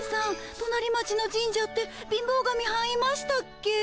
となり町の神社って貧乏神はんいましたっけ？